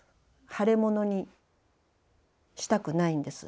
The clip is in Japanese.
腫れ物にしたくないんです。